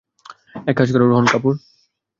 এক কাজ কর, রোহন কাপুর?